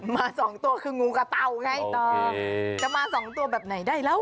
มาสองตัวคืองูกระเตาไงต่อจะมาสองตัวแบบไหนได้แล้ว